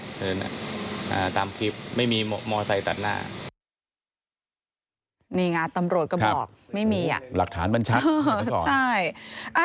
โดยฉะนั้นตามคลิปไม่มีมอไซตัดหน้า